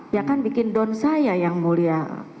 ya kan bikin don saya yang mulia